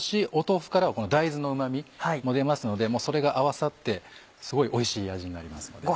豆腐からは大豆のうま味も出ますのでそれが合わさってすごいおいしい味になりますよね。